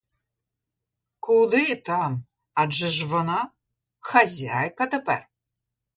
Куди там, — адже ж вона — хазяйка тепер!